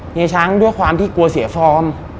เฮีช้างด้วยความที่กลัวเสียฟอร์ม